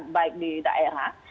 baik di daerah